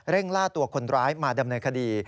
ล่าตัวคนร้ายมาดำเนินคดี